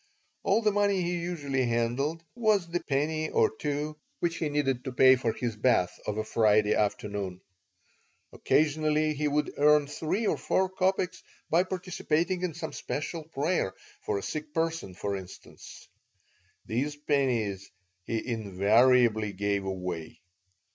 All the money he usually handled was the penny or two which he needed to pay for his bath of a Friday afternoon. Occasionally he would earn three or four copecks by participating in some special prayer, for a sick person, for instance. These pennies he invariably gave away.